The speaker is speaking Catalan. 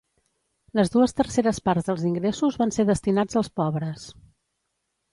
Les dues terceres parts dels ingressos van ser destinats als pobres.